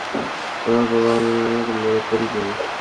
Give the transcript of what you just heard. আমার বাবা-মা আমাকে মেরে ফেলবে!